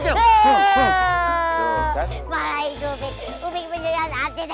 wahai umi umi penjualan artis